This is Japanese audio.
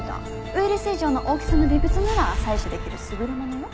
ウイルス以上の大きさの微物なら採取できる優れものよ。